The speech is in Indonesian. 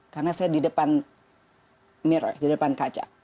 karena saya di depan mirror di depan kaca